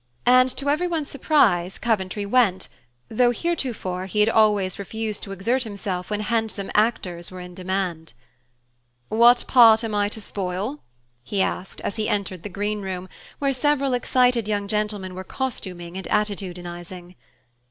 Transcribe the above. And to everyone's surprise, Coventry went, though heretofore he had always refused to exert himself when handsome actors were in demand. "What part am I to spoil?" he asked, as he entered the green room, where several excited young gentlemen were costuming and attitudinizing.